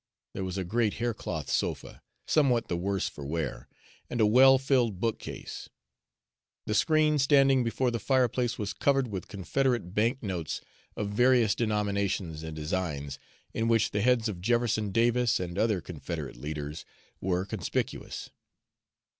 There was a great haircloth sofa, somewhat the worse for wear, and a well filled bookcase. The screen standing before the fireplace was covered with Confederate bank notes of various denominations and designs, in which the heads of Jefferson Davis and other Confederate leaders were conspicuous.